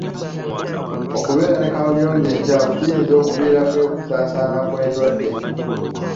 Okubeera ne kaabuyonjo enkyafu kiyinza okuviirako okusaasaana kw'endwadde.